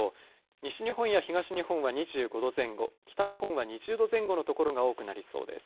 西日本や東日本は２５度前後北日本は２０度前後の所が多くなりそうです。